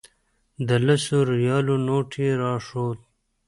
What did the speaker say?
د لسو ریالو نوټ یې راښود.